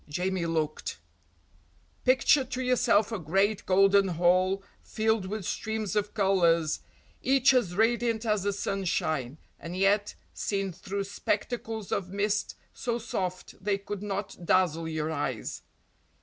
Jamie looked Picture to yourself a great golden hall filled with streams of colours, each as radiant as the sunshine, and yet, seen through spectacles of mist, so soft they could not dazzle your eyes.